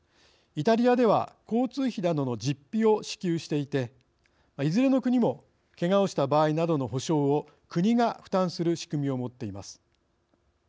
イタリアでは交通費などの実費を支給していていずれの国もけがをした場合などの補償を国が負担する仕組みを持っています。